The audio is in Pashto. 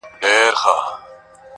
o مينځه چي توده سي، هلته بيده سي!